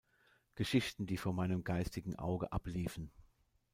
Geschichten, die vor meinem geistigen Auge abliefen.